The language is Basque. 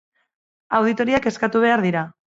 Auditoriak eskatu behar dira.